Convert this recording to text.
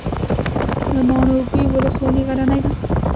ماڼوګي ولسوالۍ غرنۍ ده؟